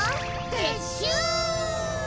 てっしゅう！